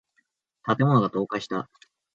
建物が倒壊した。